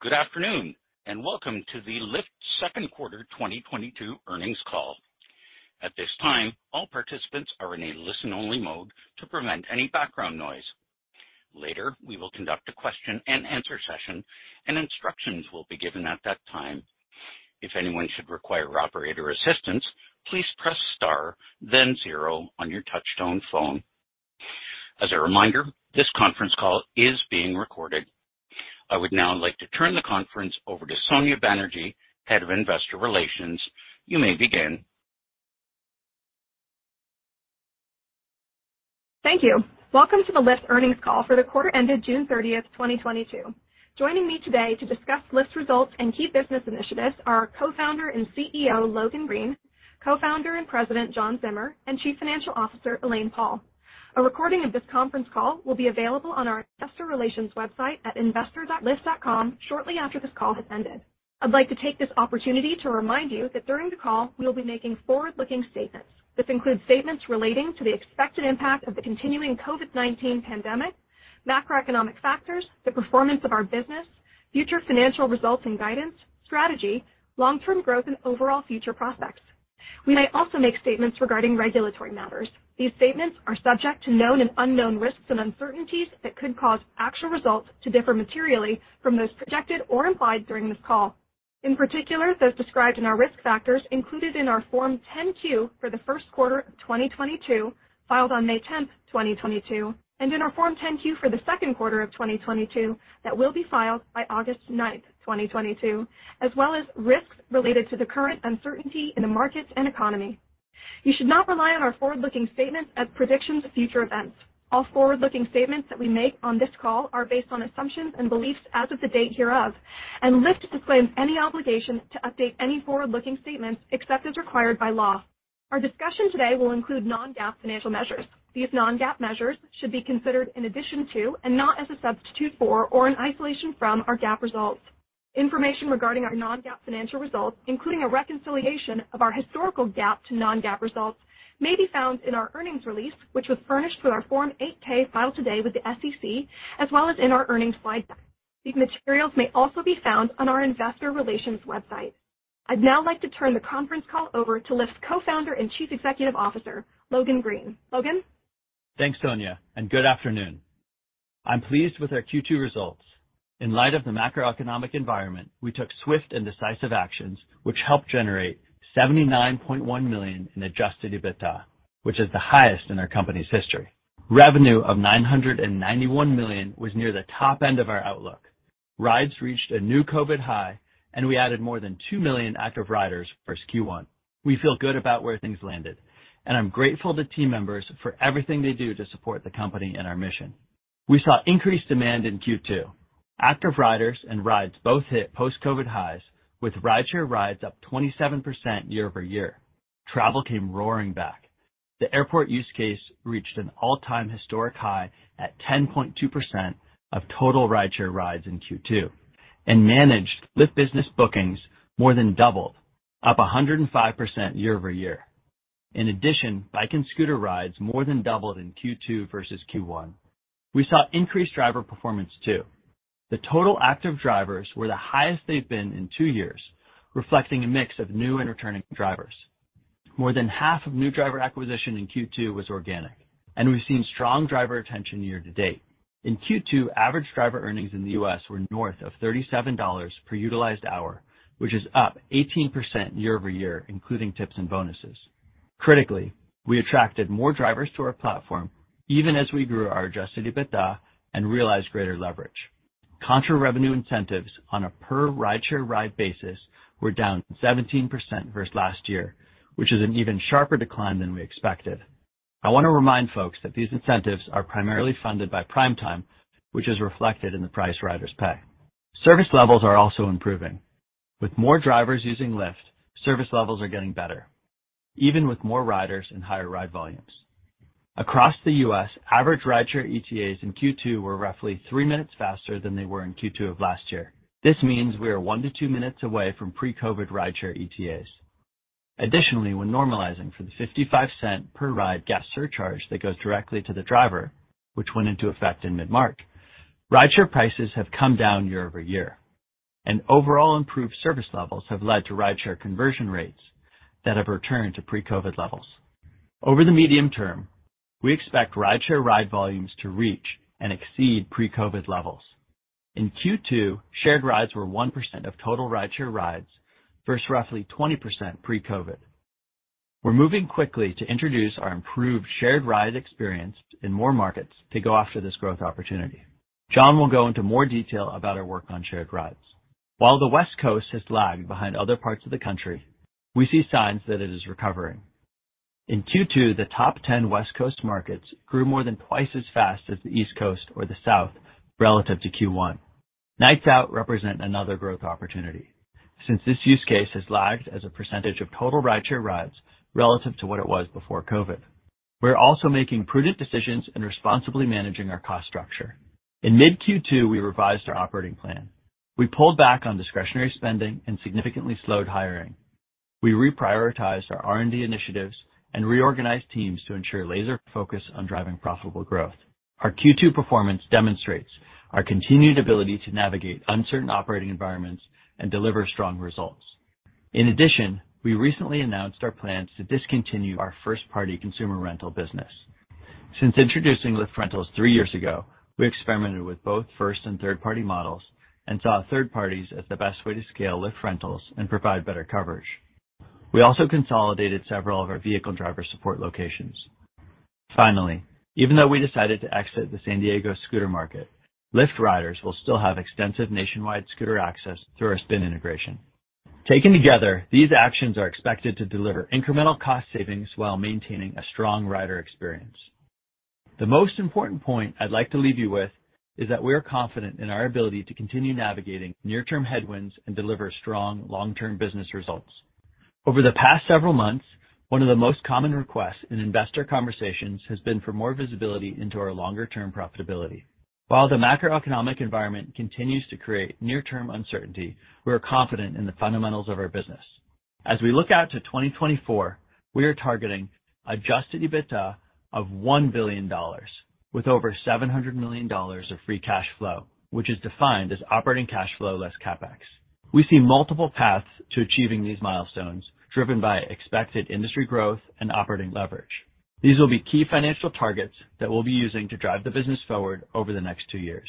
Good afternoon, and welcome to the Lyft Q2 2022 earnings call. At this time, all participants are in a listen-only mode to prevent any background noise. Later, we will conduct a question-and-answer session, and instructions will be given at that time. If anyone should require operator assistance, please press star then zero on your touchtone phone. As a reminder, this conference call is being recorded. I would now like to turn the conference over to Sonya Banerjee, Head of Investor Relations. You may begin. Thank you. Welcome to the Lyft earnings call for the quarter ended June 30th, 2022. Joining me today to discuss Lyft's results and key business initiatives are our Co-founder and CEO, Logan Green, Co-founder and President, John Zimmer, and Chief Financial Officer, Elaine Paul. A recording of this conference call will be available on our investor relations website at investor.lyft.com shortly after this call has ended. I'd like to take this opportunity to remind you that during the call, we will be making forward-looking statements. This includes statements relating to the expected impact of the continuing COVID-19 pandemic, macroeconomic factors, the performance of our business, future financial results and guidance, strategy, long-term growth, and overall future prospects. We may also make statements regarding regulatory matters. These statements are subject to known and unknown risks and uncertainties that could cause actual results to differ materially from those projected or implied during this call. In particular, those described in our risk factors included in our Form 10-Q for the Q1 of 2022, filed on May 10th, 2022, and in our Form 10-Q for the Q2 of 2022 that will be filed by August 9th, 2022, as well as risks related to the current uncertainty in the markets and economy. You should not rely on our forward-looking statements as predictions of future events. All forward-looking statements that we make on this call are based on assumptions and beliefs as of the date hereof, and Lyft disclaims any obligation to update any forward-looking statements except as required by law. Our discussion today will include non-GAAP financial measures. These non-GAAP measures should be considered in addition to and not as a substitute for or an isolation from our GAAP results. Information regarding our non-GAAP financial results, including a reconciliation of our historical GAAP to non-GAAP results, may be found in our earnings release, which was furnished with our Form 8-K filed today with the SEC, as well as in our earnings slide deck. These materials may also be found on our investor relations website. I'd now like to turn the conference call over to Lyft's Co-founder and Chief Executive Officer, Logan Green. Logan? Thanks, Sonya, and good afternoon. I'm pleased with our Q2 results. In light of the macroeconomic environment, we took swift and decisive actions which helped generate $79.1 million in Adjusted EBITDA, which is the highest in our company's history. Revenue of $991 million was near the top end of our outlook. Rides reached a new COVID high, and we added more than 2 million active riders versus Q1. We feel good about where things landed, and I'm grateful to team members for everything they do to support the company and our mission. We saw increased demand in Q2. Active riders and rides both hit post-COVID highs, with rideshare rides up 27% year-over-year. Travel came roaring back. The airport use case reached an all-time historic high at 10.2% of total rideshare rides in Q2. Managed Lyft Business bookings more than doubled, up 105% year-over-year. In addition, bike and scooter rides more than doubled in Q2 versus Q1. We saw increased driver performance too. The total active drivers were the highest they've been in two years, reflecting a mix of new and returning drivers. More than half of new driver acquisition in Q2 was organic, and we've seen strong driver retention year to date. In Q2, average driver earnings in the U.S. were north of $37 per utilized hour, which is up 18% year-over-year, including tips and bonuses. Critically, we attracted more drivers to our platform even as we grew our Adjusted EBITDA and realized greater leverage. Contra revenue incentives on a per rideshare ride basis were down 17% versus last year, which is an even sharper decline than we expected. I wanna remind folks that these incentives are primarily funded by Prime Time, which is reflected in the price riders pay. Service levels are also improving. With more drivers using Lyft, service levels are getting better, even with more riders and higher ride volumes. Across the U.S., average rideshare ETAs in Q2 were roughly three minutes faster than they were in Q2 of last year. This means we are one-two minutes away from pre-COVID rideshare ETAs. Additionally, when normalizing for the $0.55 per ride gas surcharge that goes directly to the driver, which went into effect in mid-March, rideshare prices have come down year-over-year. Overall improved service levels have led to rideshare conversion rates that have returned to pre-COVID levels. Over the medium term, we expect rideshare ride volumes to reach and exceed pre-COVID levels. In Q2, shared rides were 1% of total rideshare rides versus roughly 20% pre-COVID. We're moving quickly to introduce our improved shared ride experience in more markets to go after this growth opportunity. John will go into more detail about our work on shared rides. While the West Coast has lagged behind other parts of the country, we see signs that it is recovering. In Q2, the top 10 West Coast markets grew more than twice as fast as the East Coast or the South relative to Q1. Nights out represent another growth opportunity since this use case has lagged as a percentage of total rideshare rides relative to what it was before COVID. We're also making prudent decisions and responsibly managing our cost structure. In mid-Q2, we revised our operating plan. We pulled back on discretionary spending and significantly slowed hiring. We reprioritized our R&D initiatives and reorganized teams to ensure laser focus on driving profitable growth. Our Q2 performance demonstrates our continued ability to navigate uncertain operating environments and deliver strong results. In addition, we recently announced our plans to discontinue our first-party consumer rental business. Since introducing Lyft Rentals three years ago, we experimented with both first and third-party models and saw third parties as the best way to scale Lyft Rentals and provide better coverage. We also consolidated several of our vehicle driver support locations. Finally, even though we decided to exit the San Diego scooter market, Lyft riders will still have extensive nationwide scooter access through our Spin integration. Taken together, these actions are expected to deliver incremental cost savings while maintaining a strong rider experience. The most important point I'd like to leave you with is that we are confident in our ability to continue navigating near-term headwinds and deliver strong long-term business results. Over the past several months, one of the most common requests in investor conversations has been for more visibility into our longer-term profitability. While the macroeconomic environment continues to create near-term uncertainty, we are confident in the fundamentals of our business. As we look out to 2024, we are targeting Adjusted EBITDA of $1 billion with over $700 million of free cash flow, which is defined as operating cash flow less CapEx. We see multiple paths to achieving these milestones, driven by expected industry growth and operating leverage. These will be key financial targets that we'll be using to drive the business forward over the next two years.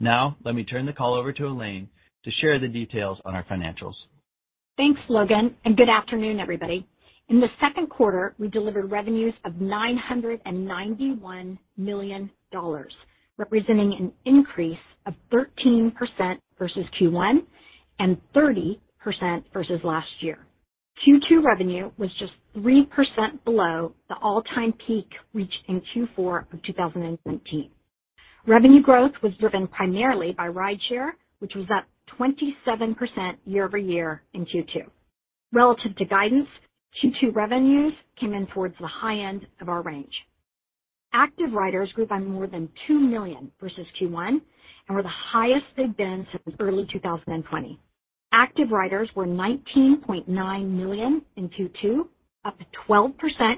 Now, let me turn the call over to Elaine to share the details on our financials. Thanks, Logan, and good afternoon, everybody. In the Q2, we delivered revenues of $991 million, representing an increase of 13% versus Q1 and 30% versus last year. Q2 revenue was just 3% below the all-time peak reached in Q4 of 2018. Revenue growth was driven primarily by Rideshare, which was up 27% year-over-year in Q2. Relative to guidance, Q2 revenues came in towards the high end of our range. Active riders grew by more than 2 million versus Q1 and were the highest they've been since early 2020. Active riders were 19.9 million in Q2, up 12%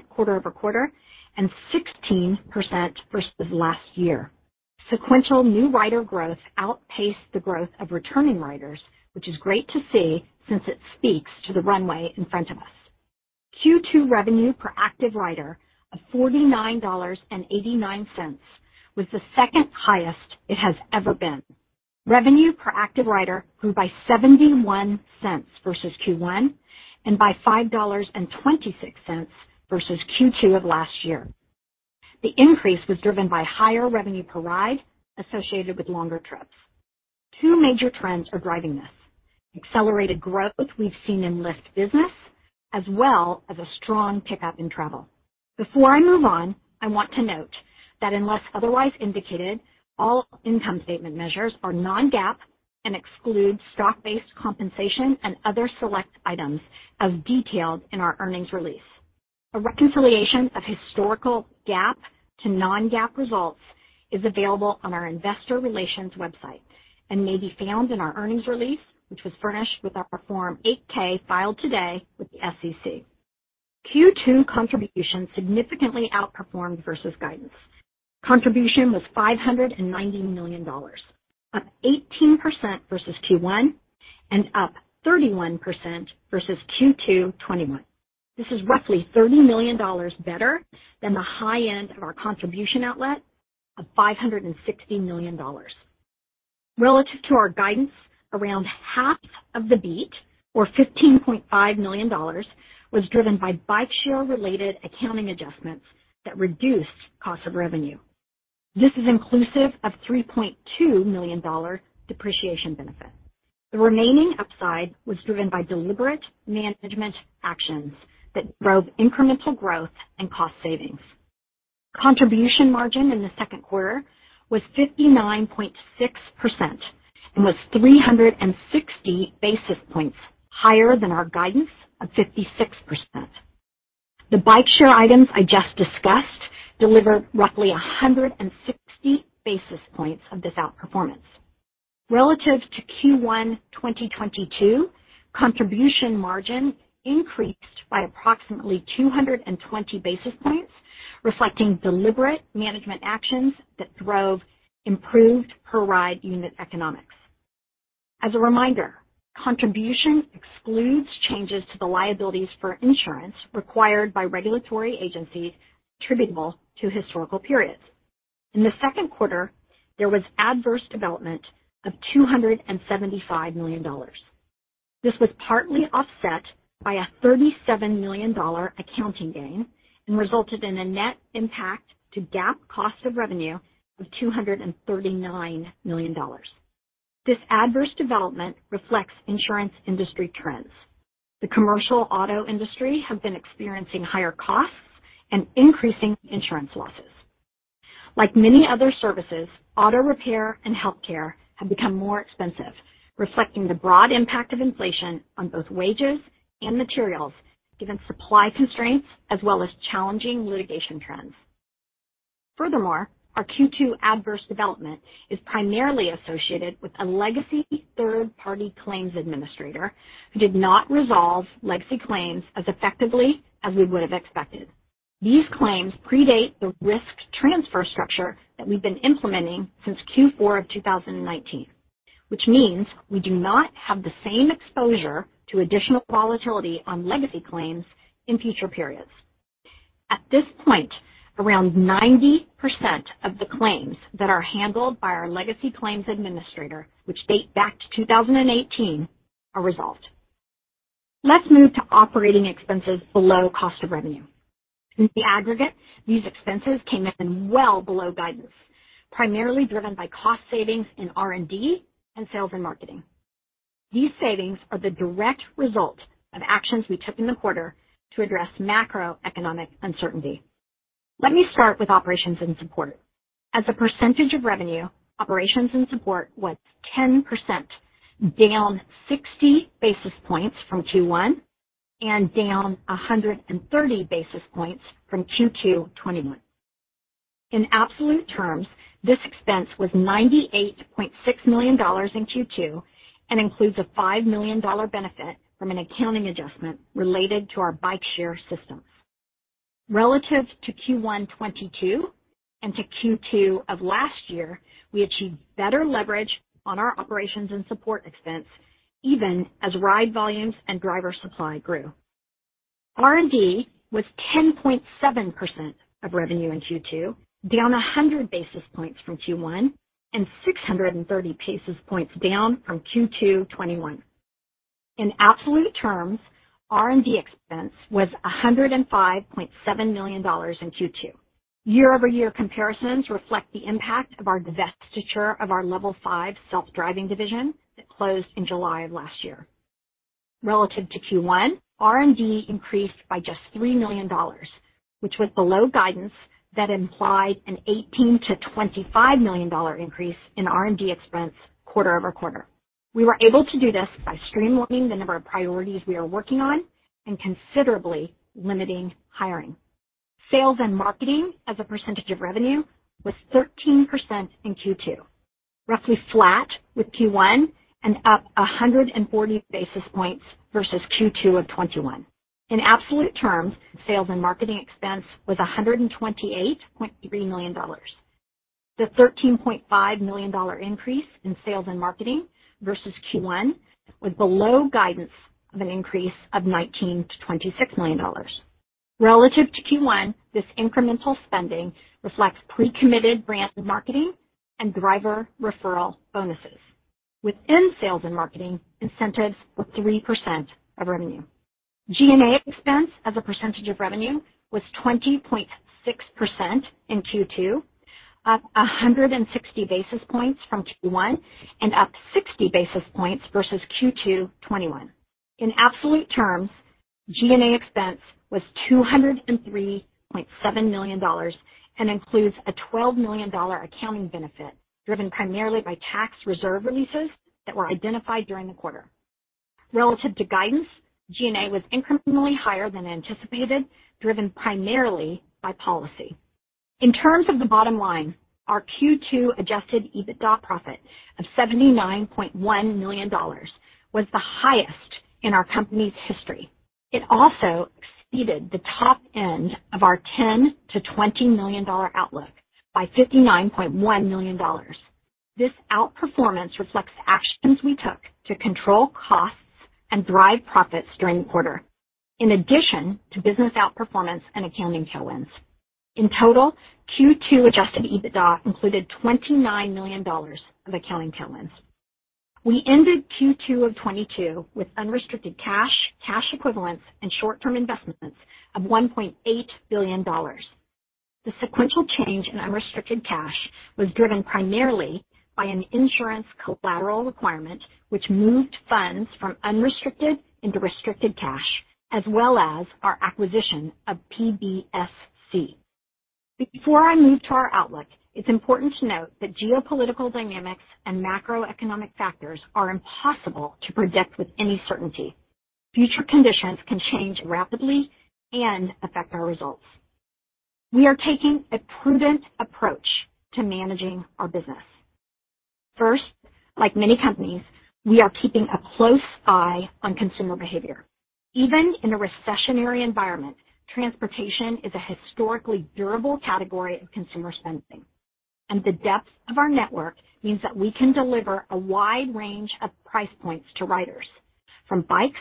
quarter-over-quarter and 16% versus last year. Sequential new rider growth outpaced the growth of returning riders, which is great to see since it speaks to the runway in front of us. Q2 revenue per active rider of $49.89 was the second highest it has ever been. Revenue per active rider grew by $0.71 versus Q1 and by $5.26 versus Q2 of last year. The increase was driven by higher revenue per ride associated with longer trips. Two major trends are driving this: accelerated growth we've seen in Lyft Business, as well as a strong pickup in travel. Before I move on, I want to note that unless otherwise indicated, all income statement measures are non-GAAP and exclude stock-based compensation and other select items as detailed in our earnings release. A reconciliation of historical GAAP to non-GAAP results is available on our investor relations website and may be found in our earnings release, which was furnished with our Form 8-K filed today with the SEC. Q2 contribution significantly outperformed versus guidance. Contribution was $590 million, up 18% versus Q1 and up 31% versus Q2 2021. This is roughly $30 million better than the high end of our contribution outlook of $560 million. Relative to our guidance, around half of the beat, or $15.5 million, was driven by bike share related accounting adjustments that reduced cost of revenue. This is inclusive of $3.2 million depreciation benefit. The remaining upside was driven by deliberate management actions that drove incremental growth and cost savings. Contribution margin in the Q2 was 59.6% and was 360 basis points higher than our guidance of 56%. The bike share items I just discussed delivered roughly 160 basis points of this outperformance. Relative to Q1 2022, contribution margin increased by approximately 220 basis points, reflecting deliberate management actions that drove improved per-ride unit economics. As a reminder, contribution excludes changes to the liabilities for insurance required by regulatory agencies attributable to historical periods. In the Q2, there was adverse development of $275 million. This was partly offset by a $37 million dollar accounting gain and resulted in a net impact to GAAP cost of revenue of $239 million. This adverse development reflects insurance industry trends. The commercial auto industry have been experiencing higher costs and increasing insurance losses. Like many other services, auto repair and healthcare have become more expensive, reflecting the broad impact of inflation on both wages and materials given supply constraints as well as challenging litigation trends. Furthermore, our Q2 adverse development is primarily associated with a legacy third-party claims administrator who did not resolve legacy claims as effectively as we would have expected. These claims predate the risk transfer structure that we've been implementing since Q4 of 2019. Which means we do not have the same exposure to additional volatility on legacy claims in future periods. At this point, around 90% of the claims that are handled by our legacy claims administrator, which date back to 2018, are resolved. Let's move to operating expenses below cost of revenue. In the aggregate, these expenses came in well below guidance, primarily driven by cost savings in R&D and sales and marketing. These savings are the direct result of actions we took in the quarter to address macroeconomic uncertainty. Let me start with operations and support. As a percentage of revenue, operations and support was 10%, down 60 basis points from Q1 and down 130 basis points from Q2 2021. In absolute terms, this expense was $98.6 million in Q2 and includes a $5 million benefit from an accounting adjustment related to our bike share system. Relative to Q1 2022 and to Q2 of last year, we achieved better leverage on our operations and support expense even as ride volumes and driver supply grew. R&D was 10.7% of revenue in Q2, down 100 basis points from Q1 and 630 basis points down from Q2 2021. In absolute terms, R&D expense was $105.7 million in Q2. Year-over-year comparisons reflect the impact of our divestiture of our Level five self-driving division that closed in July of last year. Relative to Q1, R&D increased by just $3 million, which was below guidance that implied an $18 million-$25 million increase in R&D expense quarter over quarter. We were able to do this by streamlining the number of priorities we are working on and considerably limiting hiring. Sales and marketing as a percentage of revenue was 13% in Q2, roughly flat with Q1 and up 140 basis points versus Q2 of 2021. In absolute terms, sales and marketing expense was $128.3 million. The $13.5 million increase in sales and marketing versus Q1 was below guidance of an increase of $19 million-$26 million. Relative to Q1, this incremental spending reflects pre-committed brand marketing and driver referral bonuses. Within sales and marketing, incentives were 3% of revenue. G&A expense as a percentage of revenue was 20.6% in Q2, up 160 basis points from Q1 and up 60 basis points versus Q2 2021. In absolute terms, G&A expense was $203.7 million and includes a $12 million accounting benefit, driven primarily by tax reserve releases that were identified during the quarter. Relative to guidance, G&A was incrementally higher than anticipated, driven primarily by policy. In terms of the bottom line, our Q2 Adjusted EBITDA profit of $79.1 million was the highest in our company's history. It also exceeded the top end of our $10 million-$20 million outlook by $59.1 million. This outperformance reflects actions we took to control costs and drive profits during the quarter, in addition to business outperformance and accounting tailwinds. In total, Q2 Adjusted EBITDA included $29 million of accounting tailwinds. We ended Q2 of 2022 with unrestricted cash equivalents and short-term investments of $1.8 billion. The sequential change in unrestricted cash was driven primarily by an insurance collateral requirement, which moved funds from unrestricted into restricted cash, as well as our acquisition of PBSC. Before I move to our outlook, it's important to note that geopolitical dynamics and macroeconomic factors are impossible to predict with any certainty. Future conditions can change rapidly and affect our results. We are taking a prudent approach to managing our business. First, like many companies, we are keeping a close eye on consumer behavior. Even in a recessionary environment, transportation is a historically durable category of consumer spending. The depth of our network means that we can deliver a wide range of price points to riders, from bikes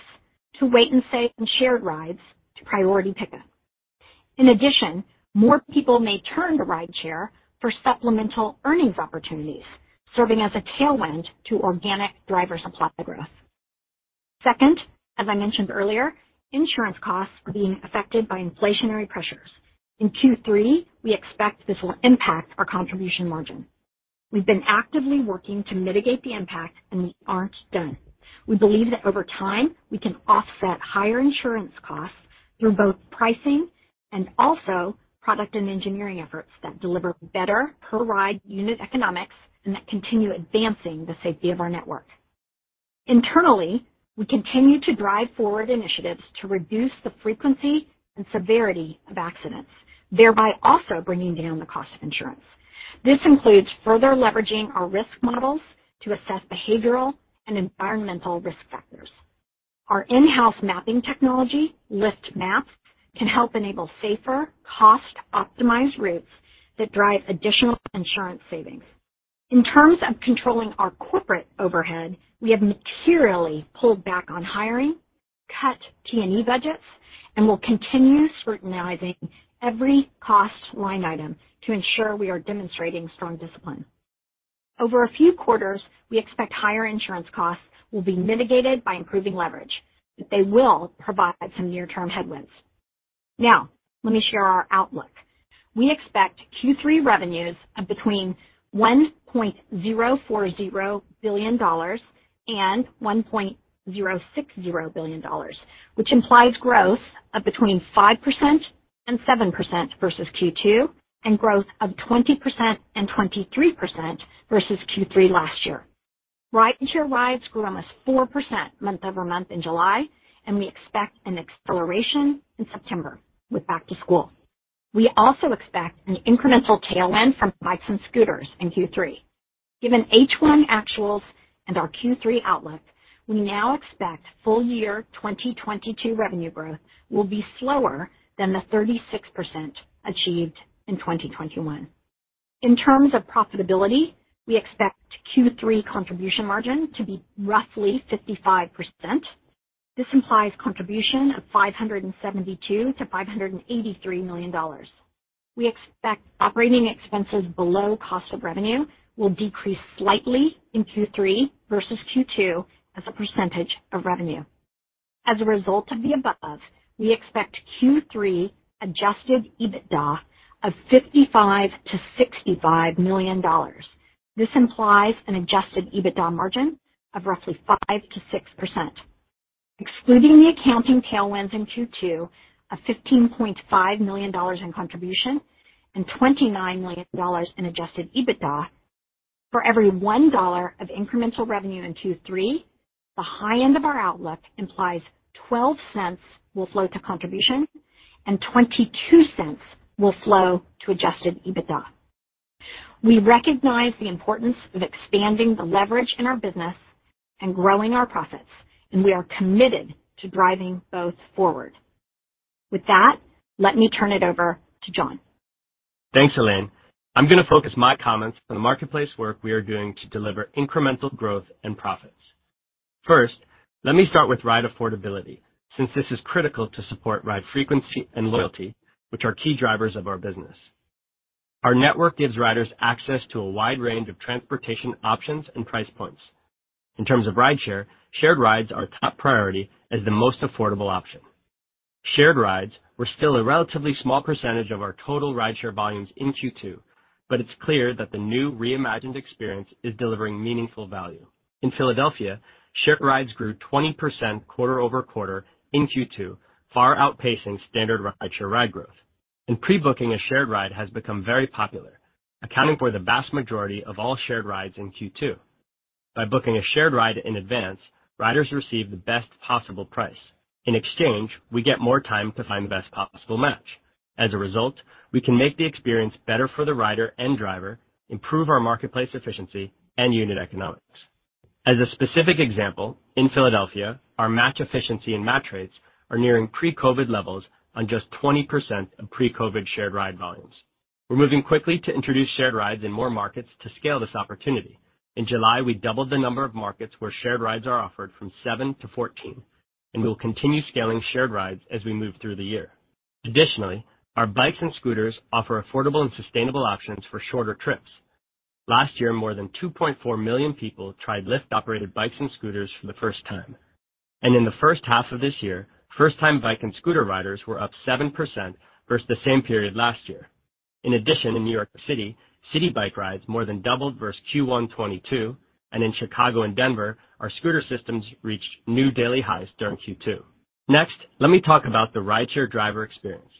to Wait & Save and shared rides to Priority Pickup. In addition, more people may turn to rideshare for supplemental earnings opportunities, serving as a tailwind to organic driver supply growth. Second, as I mentioned earlier, insurance costs are being affected by inflationary pressures. In Q3, we expect this will impact our contribution margin. We've been actively working to mitigate the impact, and we aren't done. We believe that over time, we can offset higher insurance costs through both pricing and also product and engineering efforts that deliver better per ride unit economics and that continue advancing the safety of our network. Internally, we continue to drive forward initiatives to reduce the frequency and severity of accidents, thereby also bringing down the cost of insurance. This includes further leveraging our risk models to assess behavioral and environmental risk factors. Our in-house mapping technology, Lyft Maps, can help enable safer, cost-optimized routes that drive additional insurance savings. In terms of controlling our corporate overhead, we have materially pulled back on hiring, cut T&E budgets, and will continue scrutinizing every cost line item to ensure we are demonstrating strong discipline. Over a few quarters, we expect higher insurance costs will be mitigated by improving leverage, but they will provide some near-term headwinds. Now, let me share our outlook. We expect Q3 revenues of between $1.040 billion and $1.060 billion, which implies growth of between 5% and 7% versus Q2, and growth of 20% and 23% versus Q3 last year. Rideshare rides grew almost 4% month-over-month in July, and we expect an acceleration in September with back-to-school. We also expect an incremental tailwind from bikes and scooters in Q3. Given H1 actuals and our Q3 outlook, we now expect full-year 2022 revenue growth will be slower than the 36% achieved in 2021. In terms of profitability, we expect Q3 contribution margin to be roughly 55%. This implies contribution of $572 million-$583 million. We expect operating expenses below cost of revenue will decrease slightly in Q3 versus Q2 as a percentage of revenue. As a result of the above, we expect Q3 Adjusted EBITDA of $55 million-$65 million. This implies an Adjusted EBITDA margin of roughly 5%-6%. Excluding the accounting tailwinds in Q2 of $15.5 million in contribution and $29 million in Adjusted EBITDA, for every $1 of incremental revenue in Q3, the high end of our outlook implies $0.12 will flow to contribution and $0.22 will flow to Adjusted EBITDA. We recognize the importance of expanding the leverage in our business and growing our profits, and we are committed to driving both forward. With that, let me turn it over to John. Thanks, Elaine. I'm gonna focus my comments on the marketplace work we are doing to deliver incremental growth and profits. First, let me start with ride affordability, since this is critical to support ride frequency and loyalty, which are key drivers of our business. Our network gives riders access to a wide range of transportation options and price points. In terms of rideshare, shared rides are top priority as the most affordable option. Shared rides were still a relatively small percentage of our total rideshare volumes in Q2, but it's clear that the new reimagined experience is delivering meaningful value. In Philadelphia, shared rides grew 20% quarter-over-quarter in Q2, far outpacing standard rideshare ride growth. Pre-booking a shared ride has become very popular, accounting for the vast majority of all shared rides in Q2. By booking a shared ride in advance, riders receive the best possible price. In exchange, we get more time to find the best possible match. As a result, we can make the experience better for the rider and driver, improve our marketplace efficiency and unit economics. As a specific example, in Philadelphia, our match efficiency and match rates are nearing pre-COVID levels on just 20% of pre-COVID shared ride volumes. We're moving quickly to introduce shared rides in more markets to scale this opportunity. In July, we doubled the number of markets where shared rides are offered from 7-14, and we will continue scaling shared rides as we move through the year. Additionally, our bikes and scooters offer affordable and sustainable options for shorter trips. Last year, more than 2.4 million people tried Lyft-operated bikes and scooters for the first time. In the first half of this year, first-time bike and scooter riders were up 7% versus the same period last year. In addition, in New York City, Citi Bike rides more than doubled versus Q1 2022, and in Chicago and Denver, our scooter systems reached new daily highs during Q2. Next, let me talk about the rideshare driver experience.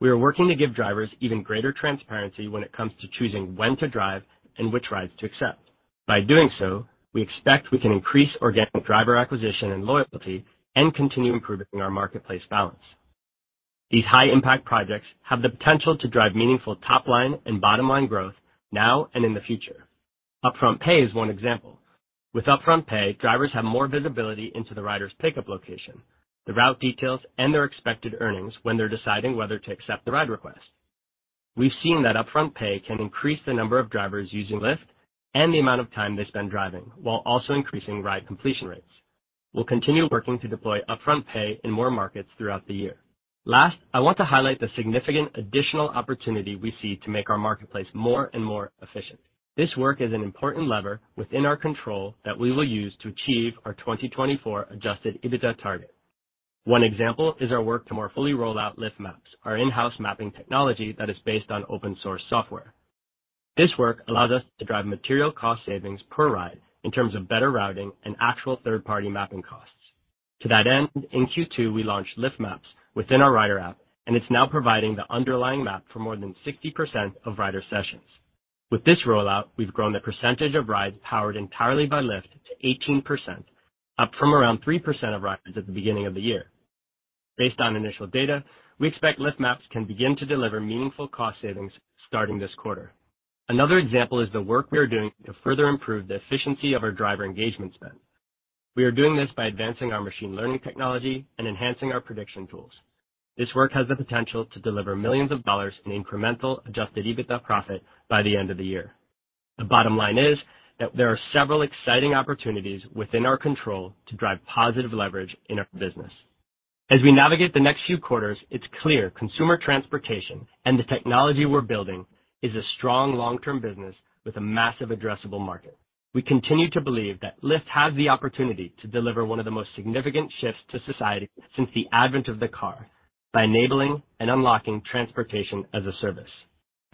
We are working to give drivers even greater transparency when it comes to choosing when to drive and which rides to accept. By doing so, we expect we can increase organic driver acquisition and loyalty and continue improving our marketplace balance. These high-impact projects have the potential to drive meaningful top-line and bottom-line growth now and in the future. Upfront Pay is one example. With Upfront Pay, drivers have more visibility into the rider's pickup location, the route details, and their expected earnings when they're deciding whether to accept the ride request. We've seen that Upfront Pay can increase the number of drivers using Lyft and the amount of time they spend driving, while also increasing ride completion rates. We'll continue working to deploy Upfront Pay in more markets throughout the year. Last, I want to highlight the significant additional opportunity we see to make our marketplace more and more efficient. This work is an important lever within our control that we will use to achieve our 2024 Adjusted EBITDA target. One example is our work to more fully roll out Lyft Maps, our in-house mapping technology that is based on open source software. This work allows us to drive material cost savings per ride in terms of better routing and actual third-party mapping costs. To that end, in Q2, we launched Lyft Maps within our rider app, and it's now providing the underlying map for more than 60% of rider sessions. With this rollout, we've grown the percentage of rides powered entirely by Lyft to 18%, up from around 3% of rides at the beginning of the year. Based on initial data, we expect Lyft Maps can begin to deliver meaningful cost savings starting this quarter. Another example is the work we are doing to further improve the efficiency of our driver engagement spend. We are doing this by advancing our machine learning technology and enhancing our prediction tools. This work has the potential to deliver million of dollars in incremental Adjusted EBITDA profit by the end of the year. The bottom line is that there are several exciting opportunities within our control to drive positive leverage in our business. As we navigate the next few quarters, it's clear consumer transportation and the technology we're building is a strong long-term business with a massive addressable market. We continue to believe that Lyft has the opportunity to deliver one of the most significant shifts to society since the advent of the car by enabling and unlocking transportation as a service.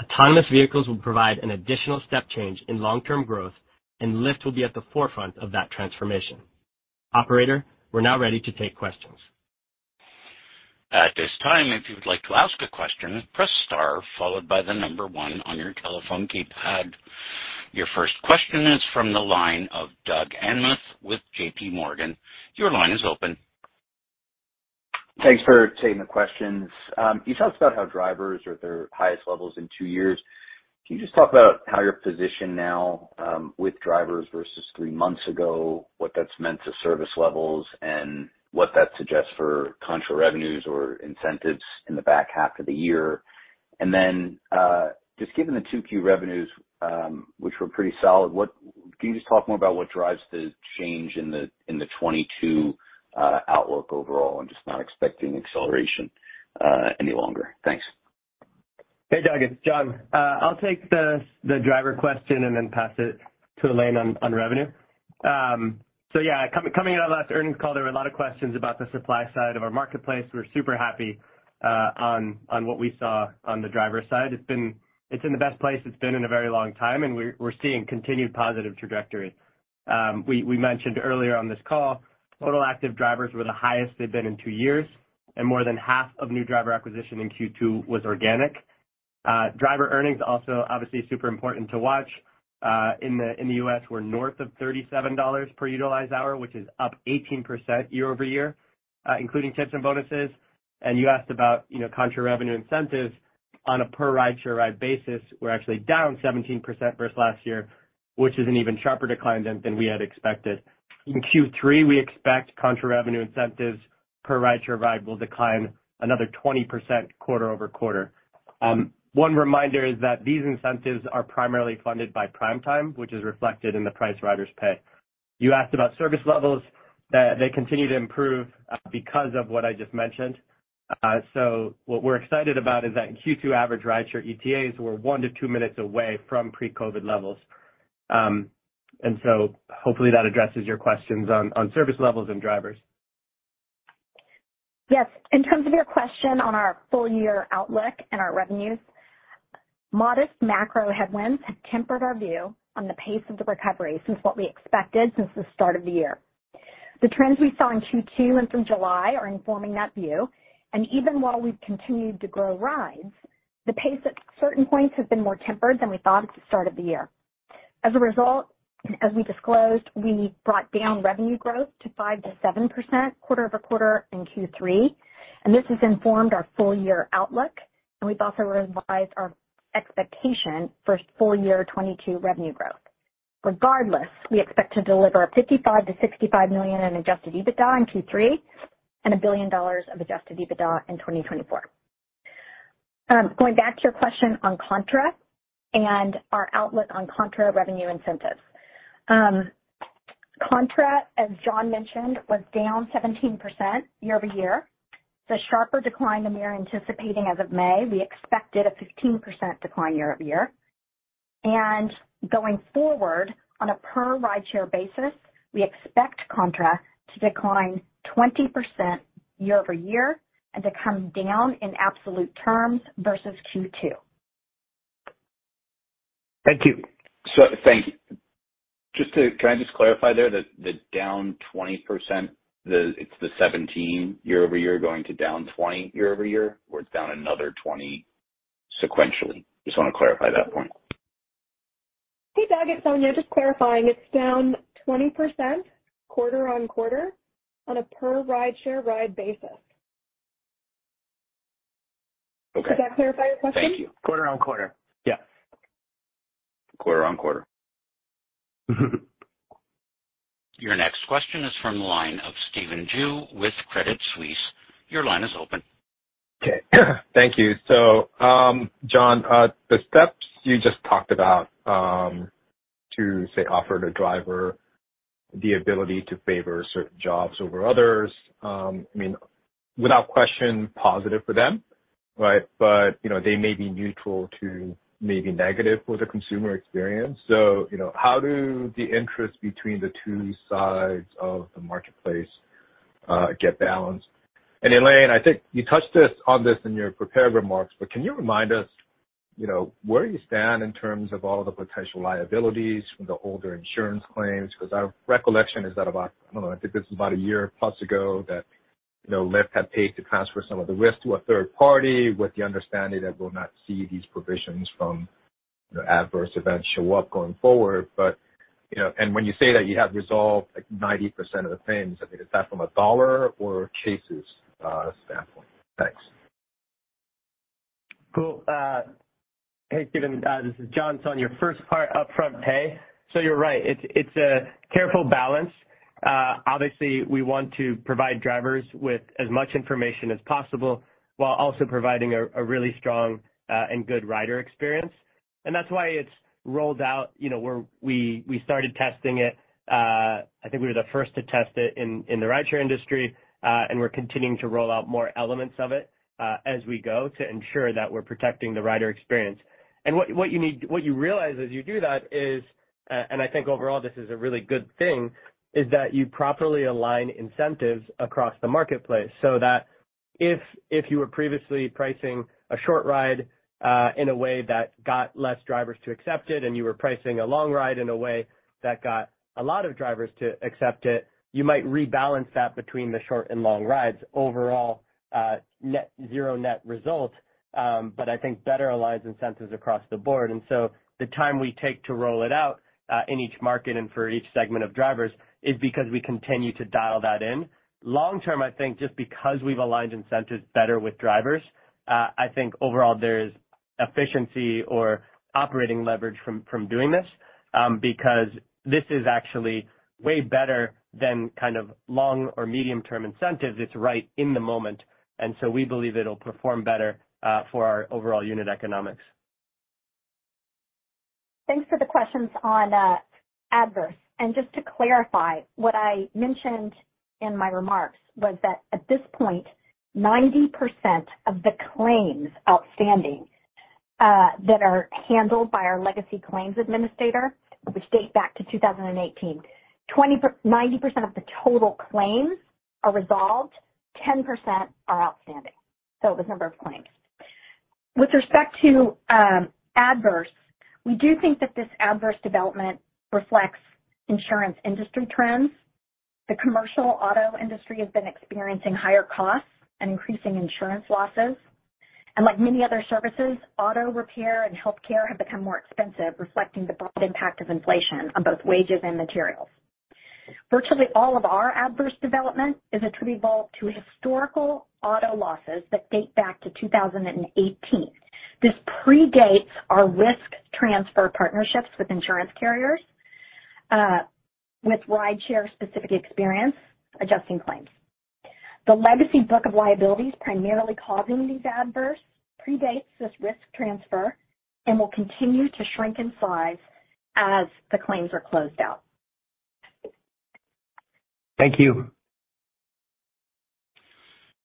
Autonomous vehicles will provide an additional step change in long-term growth, and Lyft will be at the forefront of that transformation. Operator, we're now ready to take questions. At this time, if you would like to ask a question, press star followed by the number one on your telephone keypad. Your first question is from the line of Doug Anmuth with JPMorgan. Your line is open. Thanks for taking the questions. You talked about how drivers are at their highest levels in two years. Can you just talk about how you're positioned now with drivers versus three months ago, what that's meant to service levels and what that suggests for contra revenue or incentives in the back half of the year? Just given the two key revenues, which were pretty solid, can you just talk more about what drives the change in the 2022 outlook overall and just not expecting acceleration any longer? Thanks. Hey, Doug, it's John. I'll take the driver question and then pass it to Elaine on revenue. So yeah, coming out of our last earnings call, there were a lot of questions about the supply side of our marketplace. We're super happy on what we saw on the driver side. It's in the best place it's been in a very long time, and we're seeing continued positive trajectory. We mentioned earlier on this call, total active drivers were the highest they've been in two years, and more than half of new driver acquisition in Q2 was organic. Driver earnings also obviously super important to watch. In the U.S. were north of $37 per utilized hour, which is up 18% year-over-year, including tips and bonuses. You asked about, you know, contra revenue incentives on a per ride-share ride basis were actually down 17% versus last year, which is an even sharper decline than we had expected. In Q3, we expect contra revenue incentives per ride-share ride will decline another 20% quarter-over-quarter. One reminder is that these incentives are primarily funded by Prime Time, which is reflected in the price riders pay. You asked about service levels. They continue to improve because of what I just mentioned. So what we're excited about is that in Q2 average ride share ETAs were one-two minutes away from pre-COVID levels. And so hopefully that addresses your questions on service levels and drivers. Yes. In terms of your question on our full year outlook and our revenues, modest macro headwinds have tempered our view on the pace of the recovery since what we expected since the start of the year. The trends we saw in Q2 and through July are informing that view. Even while we've continued to grow rides, the pace at certain points has been more tempered than we thought at the start of the year. As a result, as we disclosed, we brought down revenue growth to 5%-7% quarter-over-quarter in Q3, and this has informed our full year outlook, and we've also revised our expectation for full year 2022 revenue growth. Regardless, we expect to deliver $55 million-$65 million in Adjusted EBITDA in Q3 and $1 billion of Adjusted EBITDA in 2024. Going back to your question on contra and our outlook on contra-revenue incentives. Contra, as John mentioned, was down 17% year-over-year. It's a sharper decline than we are anticipating as of May. We expected a 15% decline year-over-year. Going forward, on a per ride-share basis, we expect contra to decline 20% year-over-year and to come down in absolute terms versus Q2. Thank you. Can I just clarify there that the down 20%, it's the 17 year-over-year going to down 20 year-over-year, or it's down another 20 sequentially? Just want to clarify that point. Hey, Doug, it's Sonya. Just clarifying. It's down 20% quarter-over-quarter on a per ride-share ride basis. Okay. Does that clarify your question? Thank you. Quarter-over-quarter. Yeah. Quarter-over-quarter. Your next question is from the line of Stephen Ju with Credit Suisse. Your line is open. Okay. Thank you. John, the steps you just talked about, to, say, offer the driver the ability to favor certain jobs over others, I mean, without question positive for them, right? You know, they may be neutral to maybe negative for the consumer experience. You know, how do the interest between the two sides of the marketplace get balanced? Elaine, I think you touched on this in your prepared remarks, but can you remind us. You know, where do you stand in terms of all the potential liabilities from the older insurance claims? Because our recollection is that about, I don't know, I think this is about a year plus ago that, you know, Lyft had paid to transfer some of the risk to a third party with the understanding that we'll not see these provisions from, you know, adverse events show up going forward. But, you know, and when you say that you have resolved like 90% of the claims, I think is that from a dollar or charges standpoint? Thanks. Cool. Hey, Steven, this is John. On your first part upfront pay, you're right, it's a careful balance. Obviously we want to provide drivers with as much information as possible while also providing a really strong and good rider experience. That's why it's rolled out. You know, we started testing it. I think we were the first to test it in the rideshare industry, and we're continuing to roll out more elements of it as we go to ensure that we're protecting the rider experience. What you realize as you do that is, I think overall this is a really good thing, is that you properly align incentives across the marketplace so that if you were previously pricing a short ride in a way that got less drivers to accept it and you were pricing a long ride in a way that got a lot of drivers to accept it, you might rebalance that between the short and long rides. Overall, net zero net result, but I think better aligns incentives across the board. The time we take to roll it out in each market and for each segment of drivers is because we continue to dial that in. Long-term, I think just because we've aligned incentives better with drivers, I think overall there's efficiency or operating leverage from doing this, because this is actually way better than kind of long or medium-term incentives. It's right in the moment, and so we believe it'll perform better for our overall unit economics. Thanks for the questions on adverse. Just to clarify, what I mentioned in my remarks was that at this point, 90% of the claims outstanding that are handled by our legacy claims administrator, which date back to 2018, 90% of the total claims are resolved, 10% are outstanding. It was number of claims. With respect to adverse, we do think that this adverse development reflects insurance industry trends. The commercial auto industry has been experiencing higher costs and increasing insurance losses. Like many other services, auto repair and healthcare have become more expensive, reflecting the broad impact of inflation on both wages and materials. Virtually all of our adverse development is attributable to historical auto losses that date back to 2018. This predates our risk transfer partnerships with insurance carriers, with rideshare-specific experience adjusting claims. The legacy book of liabilities primarily causing these adverse predates this risk transfer and will continue to shrink in size as the claims are closed out. Thank you.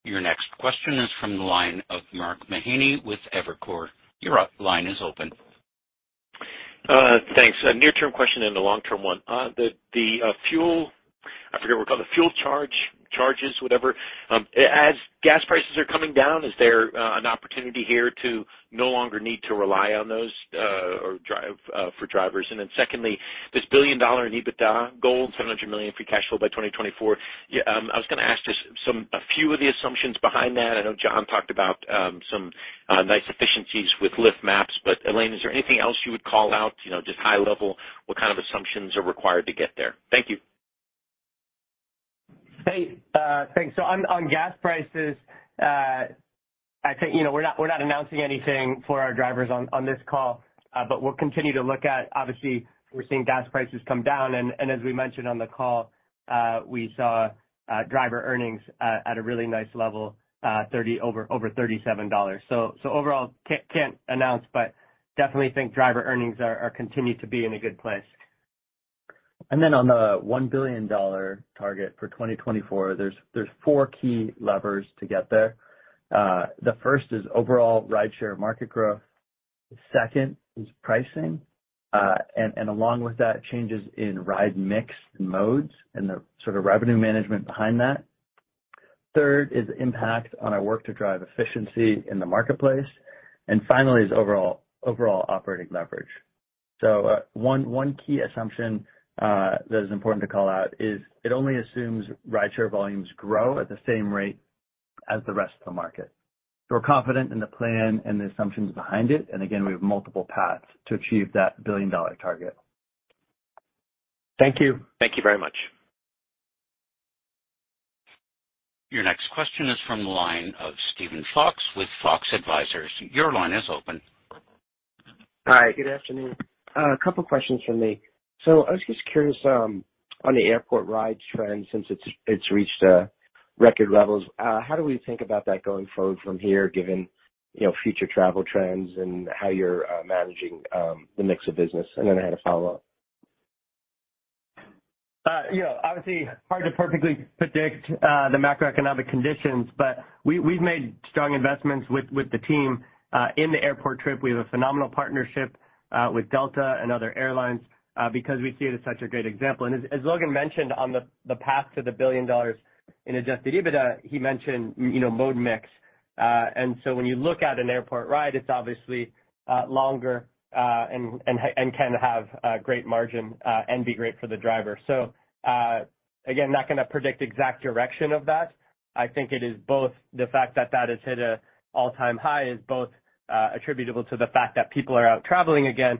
Your next question is from the line of Mark Mahaney with Evercore. Your line is open. Thanks. A near-term question and a long-term one. The fuel, I forget what we call the fuel charge, whatever. As gas prices are coming down, is there an opportunity here to no longer need to rely on those or for drivers? And then secondly, this $1 billion EBITDA goal, $700 million free cash flow by 2024. I was gonna ask just a few of the assumptions behind that. I know John talked about some nice efficiencies with Lyft Maps. But Elaine, is there anything else you would call out? You know, just high level, what kind of assumptions are required to get there? Thank you. Hey, thanks. On gas prices, I think, you know, we're not announcing anything for our drivers on this call, but we'll continue to look at, obviously, we're seeing gas prices come down and as we mentioned on the call, we saw driver earnings at a really nice level, over $37. Overall can't announce, but definitely think driver earnings are continuing to be in a good place. On the $1 billion target for 2024, there's four key levers to get there. The first is overall rideshare market growth. The second is pricing. And along with that, changes in ride mix modes and the sort of revenue management behind that. Third is impact on our work to drive efficiency in the marketplace. Finally is overall operating leverage. One key assumption that is important to call out is it only assumes rideshare volumes grow at the same rate as the rest of the market. We're confident in the plan and the assumptions behind it and again, we have multiple paths to achieve that $1 billion target. Thank you. Thank you very much. Your next question is from the line of Steven Fox with Fox Advisors. Your line is open. Hi, good afternoon. A couple questions from me. I was just curious on the airport rides trend, since it's reached record levels, how do we think about that going forward from here, given, you know, future travel trends and how you're managing the mix of business? Then I had a follow-up. You know, obviously hard to perfectly predict the macroeconomic conditions, but we've made strong investments with the team in the airport trip. We have a phenomenal partnership with Delta and other airlines because we see it as such a great example. As Logan mentioned on the path to the $1 billion in Adjusted EBITDA, he mentioned, you know, mode mix. When you look at an airport ride, it's obviously longer and can have great margin and be great for the driver. Again, not gonna predict exact direction of that. I think it is both the fact that that has hit an all-time high is both, attributable to the fact that people are out traveling again,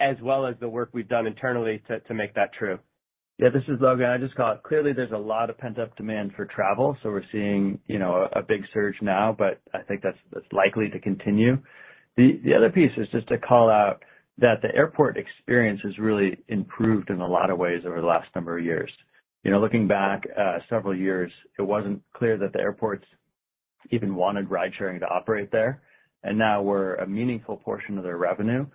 as well as the work we've done internally to make that true. Yeah, this is Logan. I'd just call out, clearly there's a lot of pent-up demand for travel, so we're seeing, you know, a big surge now, but I think that's likely to continue. The other piece is just to call out that the airport experience has really improved in a lot of ways over the last number of years. You know, looking back, several years, it wasn't clear that the airports even wanted ridesharing to operate there, and now we're a meaningful portion of their revenue.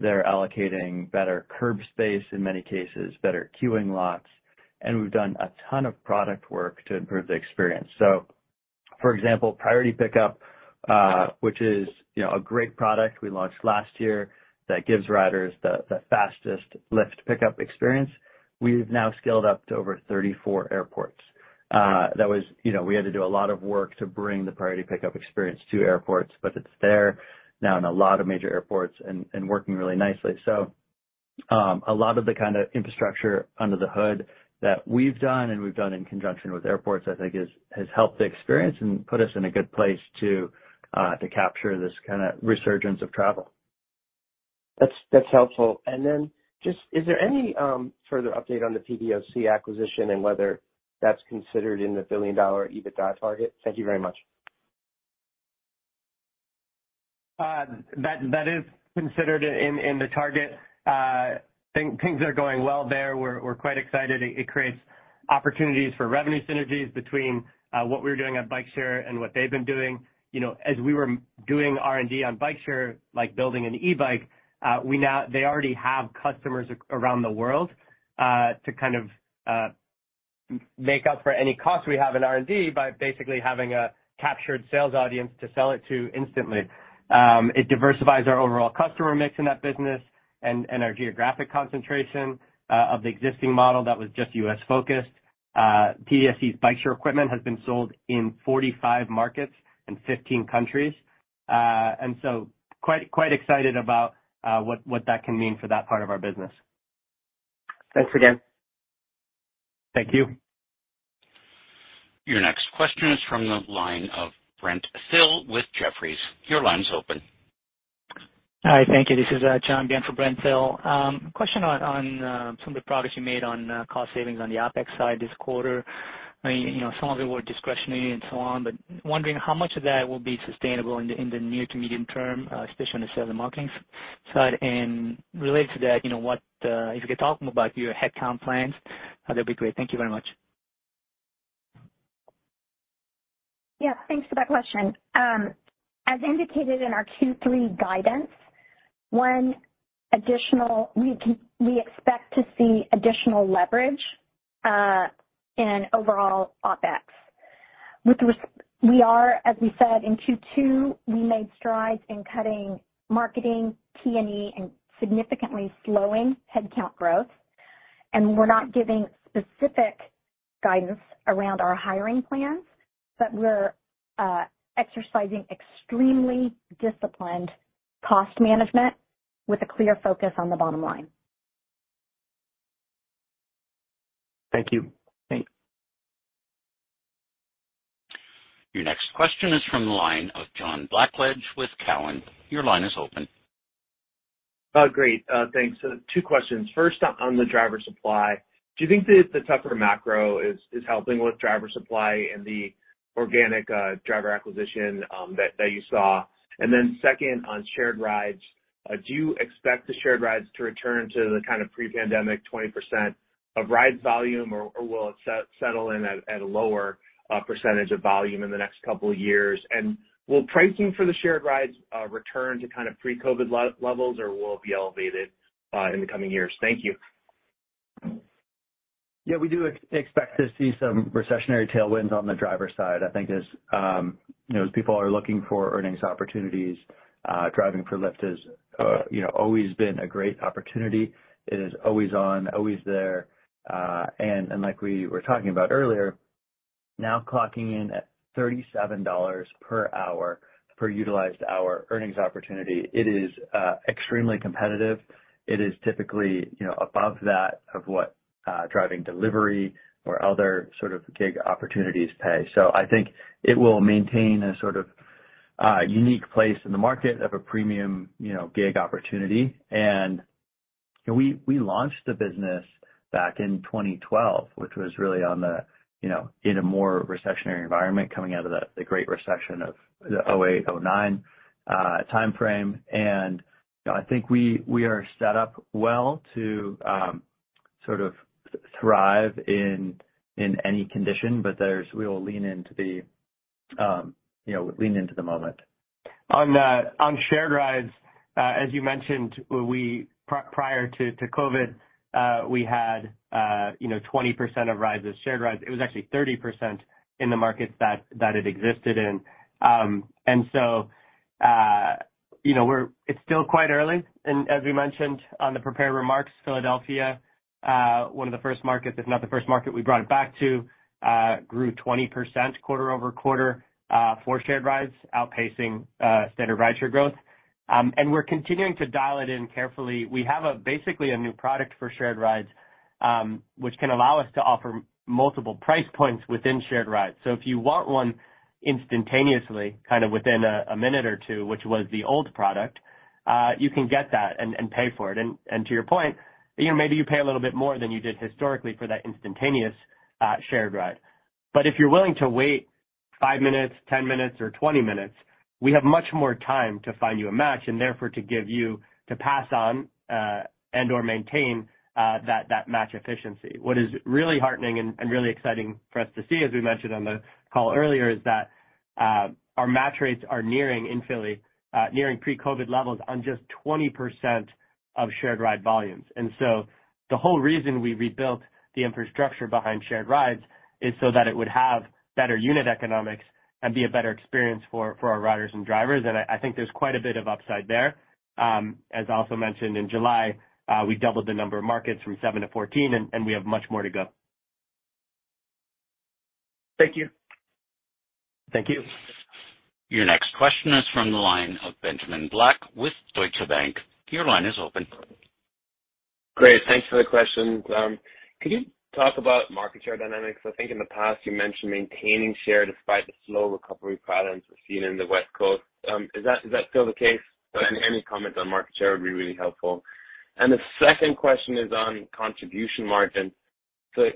They're allocating better curb space, in many cases, better queuing lots, and we've done a ton of product work to improve the experience. So for example, Priority Pickup, which is, you know, a great product we launched last year that gives riders the fastest Lyft pickup experience, we've now scaled up to over 34 airports. That was. You know, we had to do a lot of work to bring the Priority Pickup experience to airports, but it's there now in a lot of major airports and working really nicely. A lot of the kinda infrastructure under the hood that we've done, and we've done in conjunction with airports, I think has helped the experience and put us in a good place to capture this kinda resurgence of travel. That's helpful. Just is there any further update on the PBSC acquisition and whether that's considered in the billion-dollar EBITDA target? Thank you very much. That is considered in the target. Things are going well there. We're quite excited. It creates opportunities for revenue synergies between what we're doing on bikeshare and what they've been doing. You know, as we were doing R&D on bikeshare, like building an e-bike, they already have customers around the world to kind of make up for any cost we have in R&D by basically having a captured sales audience to sell it to instantly. It diversifies our overall customer mix in that business and our geographic concentration of the existing model that was just U.S.-focused. PBSC's bikeshare equipment has been sold in 45 markets and 15 countries. Quite excited about what that can mean for that part of our business. Thanks again. Thank you. Your next question is from the line of Brent Thill with Jefferies. Your line's open. Hi. Thank you. This is John on for Brent Thill. Question on some of the progress you made on cost savings on the OpEx side this quarter. I mean, you know, some of it was discretionary and so on, but wondering how much of that will be sustainable in the near to medium term, especially on the sales and marketing side. Related to that, you know, if you could talk about your headcount plans, that'd be great. Thank you very much. Yeah. Thanks for that question. As indicated in our Q3 guidance, we expect to see additional leverage in overall OpEx. We are, as we said in Q2, we made strides in cutting marketing, T&E, and significantly slowing headcount growth. We're not giving specific guidance around our hiring plans, but we're exercising extremely disciplined cost management with a clear focus on the bottom line. Thank you. Thanks. Your next question is from the line of John Blackledge with Cowen. Your line is open. Great. Thanks. Two questions. First, on the driver supply. Do you think that the tougher macro is helping with driver supply and the organic driver acquisition that you saw? Then second, on shared rides, do you expect the shared rides to return to the kind of pre-pandemic 20% of rides volume or will it settle in at a lower percentage of volume in the next couple of years? Will pricing for the shared rides return to kind of pre-COVID-19 levels, or will it be elevated in the coming years? Thank you. Yeah, we do expect to see some recessionary tailwinds on the driver side. I think as you know, as people are looking for earnings opportunities, driving for Lyft is you know, always been a great opportunity. It is always on, always there. And like we were talking about earlier, now clocking in at $37 per hour, per utilized hour earnings opportunity, it is extremely competitive. It is typically you know, above that of what driving delivery or other sort of gig opportunities pay. So I think it will maintain a sort of unique place in the market of a premium you know, gig opportunity. We launched the business back in 2012, which was really on the you know, in a more recessionary environment coming out of the Great Recession of the 2008, 2009 timeframe. You know, I think we are set up well to sort of thrive in any condition, but we will lean into the moment. On shared rides, as you mentioned, prior to COVID, we had, you know, 20% of rides as shared rides. It was actually 30% in the markets that it existed in. You know, it's still quite early. As we mentioned on the prepared remarks, Philadelphia, one of the first markets, if not the first market we brought it back to, grew 20% quarter-over-quarter for shared rides, outpacing standard ride share growth. We're continuing to dial it in carefully. We have basically a new product for shared rides, which can allow us to offer multiple price points within shared rides. If you want one instantaneously, kind of within a minute or two, which was the old product, you can get that and pay for it. To your point, you know, maybe you pay a little bit more than you did historically for that instantaneous shared ride. If you're willing to wait five minutes, 10 minutes or 20 minutes, we have much more time to find you a match and therefore to pass on and/or maintain that match efficiency. What is really heartening and really exciting for us to see, as we mentioned on the call earlier, is that our match rates are nearing pre-COVID levels in Philly on just 20% of shared ride volumes. The whole reason we rebuilt the infrastructure behind shared rides is so that it would have better unit economics and be a better experience for our riders and drivers. I think there's quite a bit of upside there. As I also mentioned, in July, we doubled the number of markets from 7-14, and we have much more to go. Thank you. Thank you. Your next question is from the line of Benjamin Black with Deutsche Bank. Your line is open. Great, thanks for the questions. Could you talk about market share dynamics? I think in the past you mentioned maintaining share despite the slow recovery patterns we're seeing in the West Coast. Is that still the case? Any comment on market share would be really helpful. The second question is on contribution margin. So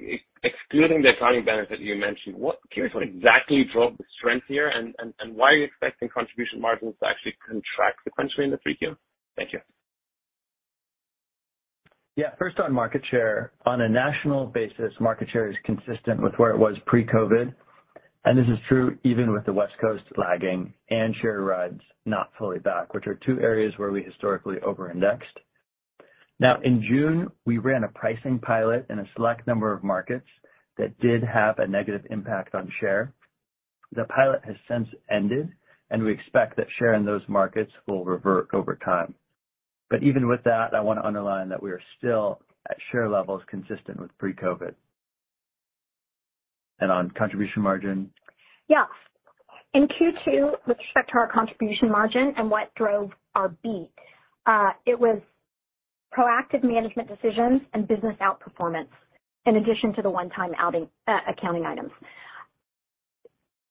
excluding the accounting benefit you mentioned, what exactly drove the strength here and why are you expecting contribution margins to actually contract sequentially in Q3? Thank you. Yeah, first on market share. On a national basis, market share is consistent with where it was pre-COVID, and this is true even with the West Coast lagging and shared rides not fully back, which are two areas where we historically over-indexed. Now, in June, we ran a pricing pilot in a select number of markets that did have a negative impact on share. The pilot has since ended, and we expect that share in those markets will revert over time. But even with that, I want to underline that we are still at share levels consistent with pre-COVID. On contribution margin. Yes. In Q2, with respect to our contribution margin and what drove our beat, it was proactive management decisions and business outperformance, in addition to the one-time outlying accounting items.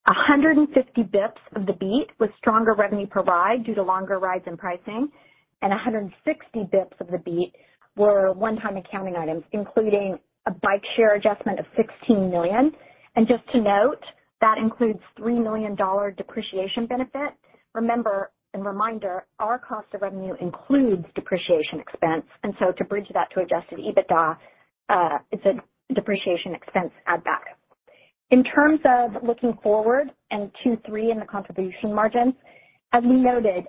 150 basis points of the beat was stronger revenue per ride due to longer rides and pricing, and 160 basis points of the beat were one-time accounting items, including a bike share adjustment of $16 million. Just to note, that includes $3 million depreciation benefit. Remember, and reminder, our cost of revenue includes depreciation expense, and so to bridge that to Adjusted EBITDA, it's a depreciation expense add back. In terms of looking forward and Q3 in the contribution margins, as we noted,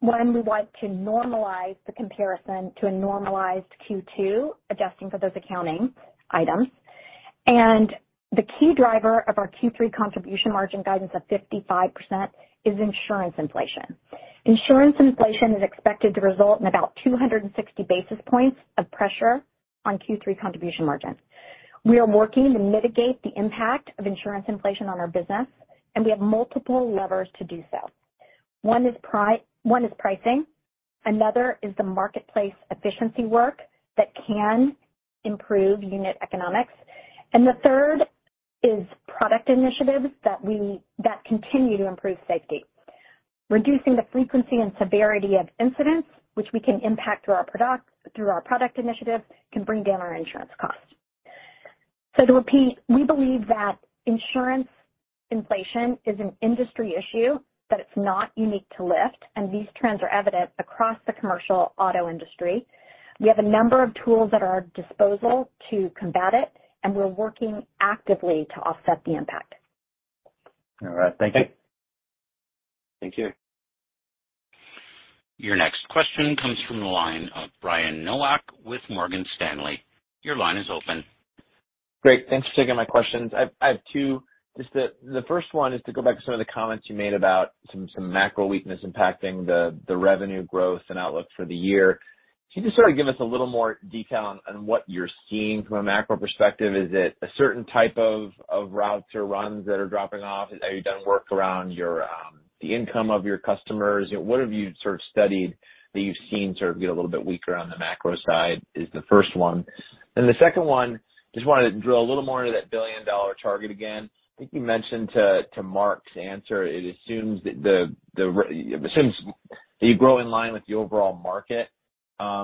one, we want to normalize the comparison to a normalized Q2, adjusting for those accounting items. The key driver of our Q3 contribution margin guidance of 55% is insurance inflation. Insurance inflation is expected to result in about 260 basis points of pressure on Q3 contribution margins. We are working to mitigate the impact of insurance inflation on our business, and we have multiple levers to do so. One is pricing, another is the marketplace efficiency work that can improve unit economics. The third is product initiatives that continue to improve safety. Reducing the frequency and severity of incidents, which we can impact through our product initiatives, can bring down our insurance costs. To repeat, we believe that insurance inflation is an industry issue, that it's not unique to Lyft, and these trends are evident across the commercial auto industry. We have a number of tools at our disposal to combat it, and we're working actively to offset the impact. All right. Thank you. Thank you. Your next question comes from the line of Brian Nowak with Morgan Stanley. Your line is open. Great. Thanks for taking my questions. I have two. Just the first one is to go back to some of the comments you made about some macro weakness impacting the revenue growth and outlook for the year. Can you just sort of give us a little more detail on what you're seeing from a macro perspective? Is it a certain type of routes or runs that are dropping off? Are you doing work around the income of your customers? What have you sort of studied that you've seen sort of get a little bit weaker on the macro side, is the first one. The second one, just wanted to drill a little more into that billion-dollar target again. I think you mentioned to Mark's answer, it assumes that you grow in line with the overall market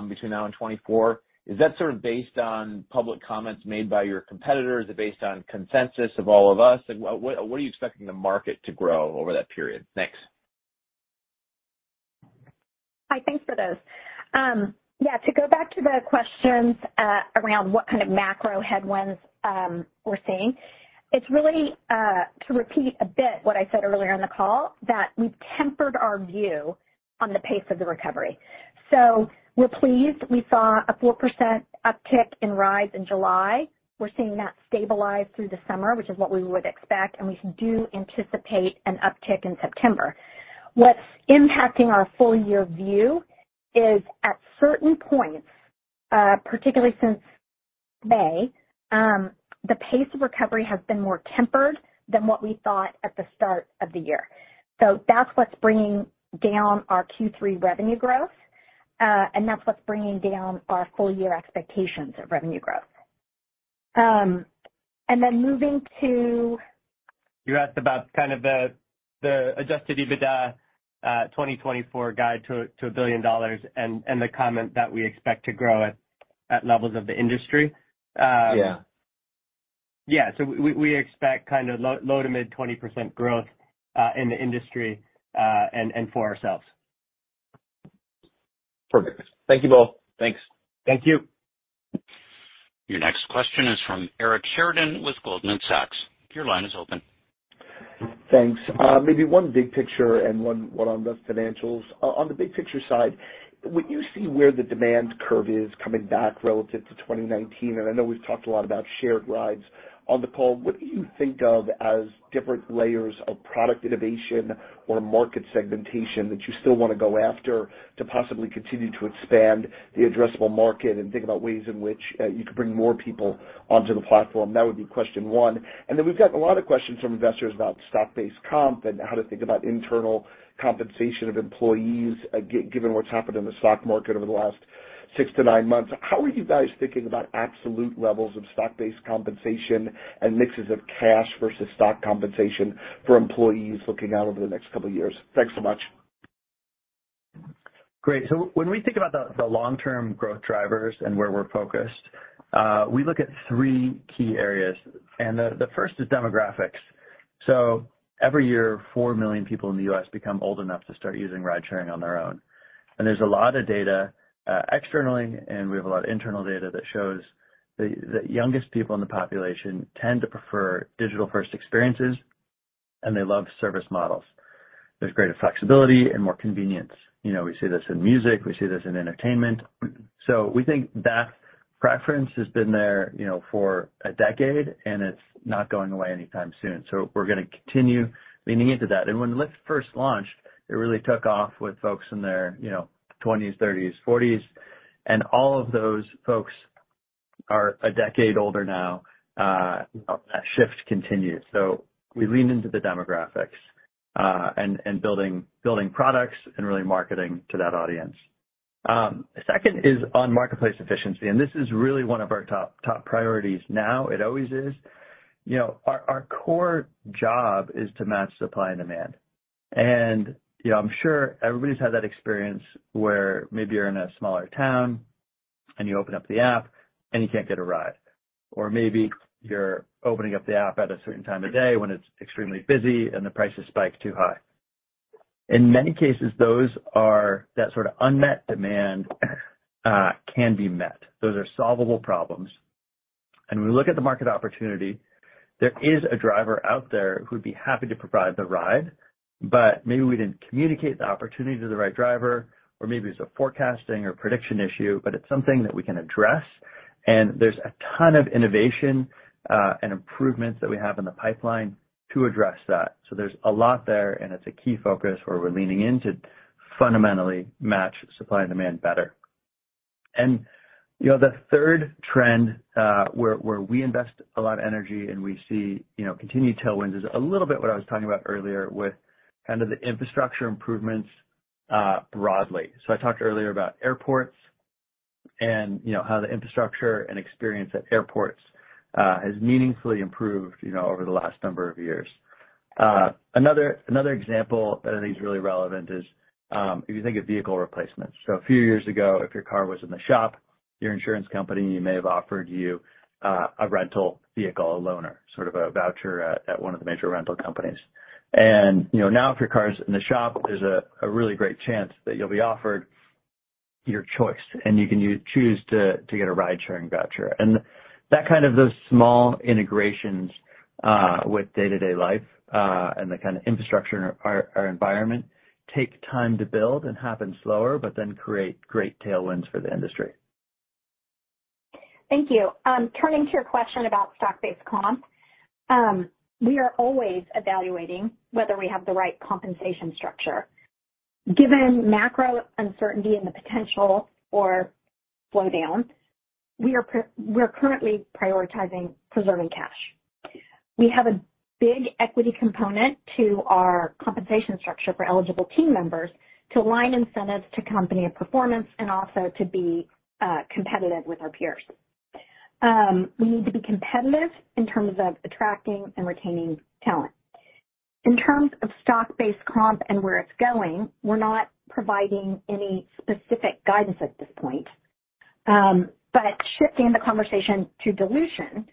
between now and 2024. Is that sort of based on public comments made by your competitors? Is it based on consensus of all of us? What are you expecting the market to grow over that period? Thanks. Hi, thanks for those. Yeah, to go back to the questions around what kind of macro headwinds we're seeing, it's really to repeat a bit what I said earlier in the call, that we've tempered our view on the pace of the recovery. We're pleased. We saw a 4% uptick in rides in July. We're seeing that stabilize through the summer, which is what we would expect, and we do anticipate an uptick in September. What's impacting our full year view is at certain points, particularly since May, the pace of recovery has been more tempered than what we thought at the start of the year. That's what's bringing down our Q3 revenue growth, and that's what's bringing down our full year expectations of revenue growth. And then moving to You asked about kind of the Adjusted EBITDA, 2024 guide to $1 billion and the comment that we expect to grow at levels of the industry. Yeah. Yeah. We expect kind of low to mid 20% growth in the industry and for ourselves. Perfect. Thank you both. Thanks. Thank you. Your next question is from Eric Sheridan with Goldman Sachs. Your line is open. Thanks. Maybe one big picture and one on the financials. On the big picture side, when you see where the demand curve is coming back relative to 2019, and I know we've talked a lot about shared rides on the call, what do you think of as different layers of product innovation or market segmentation that you still wanna go after to possibly continue to expand the addressable market and think about ways in which you could bring more people onto the platform? That would be question one. We've gotten a lot of questions from investors about stock-based comp and how to think about internal compensation of employees given what's happened in the stock market over the last six to nine months. How are you guys thinking about absolute levels of stock-based compensation and mixes of cash versus stock compensation for employees looking out over the next couple of years? Thanks so much. Great. When we think about the long-term growth drivers and where we're focused, we look at three key areas, and the first is demographics. Every year, 4 million people in the U.S. become old enough to start using ridesharing on their own. There's a lot of data externally, and we have a lot of internal data that shows the youngest people in the population tend to prefer digital-first experiences, and they love service models. There's greater flexibility and more convenience. You know, we see this in music. We see this in entertainment. We think that preference has been there, you know, for a decade, and it's not going away anytime soon. We're gonna continue leaning into that. When Lyft first launched, it really took off with folks in their, you know, twenties, thirties, forties, and all of those folks are a decade older now. That shift continues. We lean into the demographics, and building products and really marketing to that audience. Second is on marketplace efficiency, and this is really one of our top priorities now. It always is. You know, our core job is to match supply and demand. You know, I'm sure everybody's had that experience where maybe you're in a smaller town and you open up the app and you can't get a ride. Or maybe you're opening up the app at a certain time of day when it's extremely busy and the prices spike too high. In many cases, that sort of unmet demand can be met. Those are solvable problems. When we look at the market opportunity, there is a driver out there who'd be happy to provide the ride, but maybe we didn't communicate the opportunity to the right driver or maybe it's a forecasting or prediction issue, but it's something that we can address. There's a ton of innovation and improvements that we have in the pipeline to address that. There's a lot there, and it's a key focus where we're leaning in to fundamentally match supply and demand better. You know, the third trend where we invest a lot of energy and we see, you know, continued tailwinds is a little bit what I was talking about earlier with kind of the infrastructure improvements broadly. I talked earlier about airports and, you know, how the infrastructure and experience at airports has meaningfully improved, you know, over the last number of years. Another example that I think is really relevant is if you think of vehicle replacement. A few years ago, if your car was in the shop, your insurance company may have offered you a rental vehicle, a loaner, sort of a voucher at one of the major rental companies. You know, now if your car's in the shop, there's a really great chance that you'll be offered your choice, and you can choose to get a ridesharing voucher. That kind of those small integrations with day-to-day life and the kind of infrastructure in our environment take time to build and happen slower but then create great tailwinds for the industry. Thank you. Turning to your question about stock-based comp, we are always evaluating whether we have the right compensation structure. Given macro uncertainty and the potential for slowdown, we're currently prioritizing preserving cash. We have a big equity component to our compensation structure for eligible team members to align incentives to company and performance and also to be competitive with our peers. We need to be competitive in terms of attracting and retaining talent. In terms of stock-based comp and where it's going, we're not providing any specific guidance at this point. Shifting the conversation to dilution,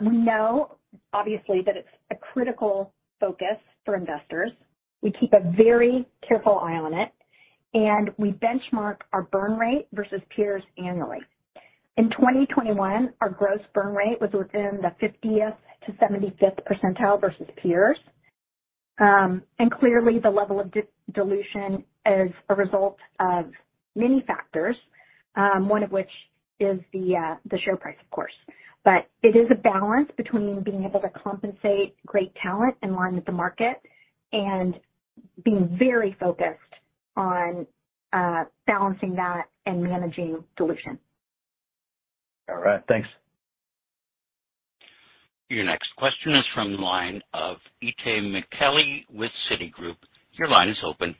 we know obviously that it's a critical focus for investors. We keep a very careful eye on it, and we benchmark our burn rate versus peers annually. In 2021, our gross burn rate was within the 50th-75th percentile versus peers. Clearly the level of dilution is a result of many factors, one of which is the share price, of course. It is a balance between being able to compensate great talent in line with the market and being very focused on balancing that and managing dilution. All right. Thanks. Your next question is from the line of Itay Michaeli with Citigroup. Your line is open.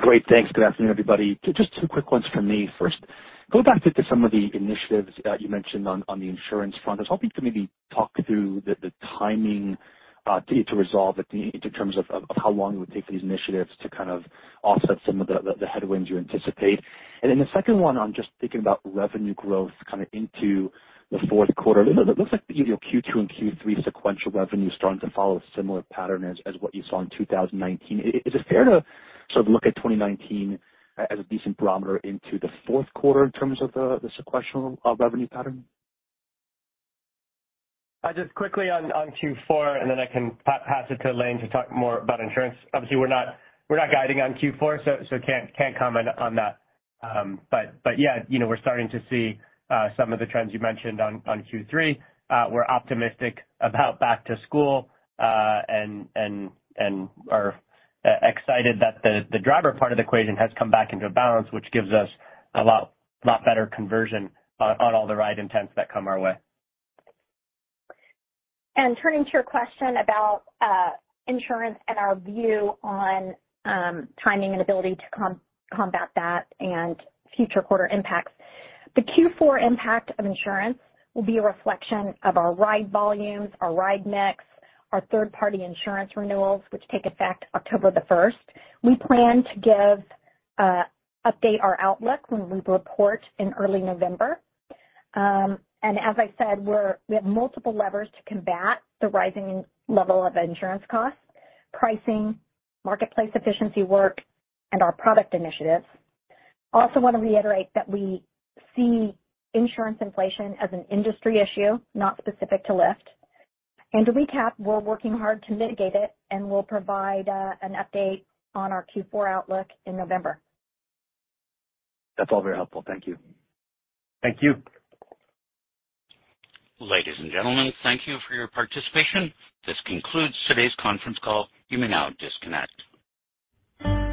Great. Thanks. Good afternoon, everybody. Just two quick ones from me first. Go back to some of the initiatives you mentioned on the insurance front. I was hoping you could maybe talk through the timing to resolve it in terms of how long it would take for these initiatives to kind of offset some of the headwinds you anticipate. Then the second one on just thinking about revenue growth kind of into the Q4. It looks like your Q2 and Q3 sequential revenue is starting to follow a similar pattern as what you saw in 2019. Is it fair to sort of look at 2019 as a decent barometer into the Q4 in terms of the sequential revenue pattern? Just quickly on Q4, and then I can pass it to Elaine to talk more about insurance. Obviously, we're not guiding on Q4, so can't comment on that. Yeah, you know, we're starting to see some of the trends you mentioned on Q3. We're optimistic about back to school and are excited that the driver part of the equation has come back into a balance, which gives us a lot better conversion on all the ride intents that come our way. Turning to your question about insurance and our view on timing and ability to combat that and future quarter impacts. The Q4 impact of insurance will be a reflection of our ride volumes, our ride mix, our third-party insurance renewals, which take effect October the first. We plan to give update our outlook when we report in early November. And as I said, we have multiple levers to combat the rising level of insurance costs, pricing, marketplace efficiency work, and our product initiatives. Also want to reiterate that we see insurance inflation as an industry issue, not specific to Lyft. To recap, we're working hard to mitigate it, and we'll provide an update on our Q4 outlook in November. That's all very helpful. Thank you. Thank you. Ladies and gentlemen, thank you for your participation. This concludes today's conference call. You may now disconnect.